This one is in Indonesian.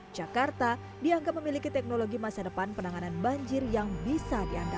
jakarta dianggap memiliki teknologi masa depan penanganan banjir yang bisa diandalkan